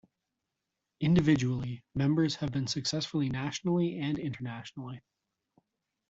Individually, members have been successful nationally and internationally.